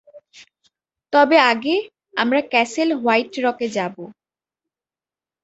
তবে আগে, আমরা ক্যাসেল হোয়াইটরকে যাবো।